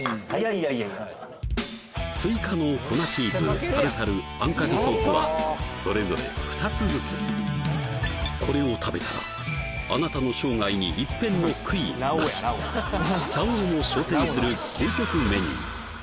いやいや追加の粉チーズタルタルあんかけソースはそれぞれ２つずつこれを食べたらあなたの生涯に一片の悔いなしチャ王も昇天する究極メニュー